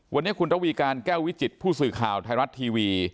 วันนี้คุณระวีการแก้ววิจิตผู้สื่อข่าวไทยรัฐทีวี